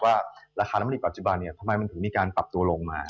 ว่าราคาน้ำผลิตปัจจุบันเนี่ยทำไมมันถึงมีการปรับตัวลงมา